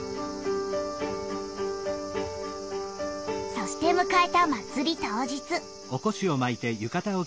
そしてむかえた祭り当日。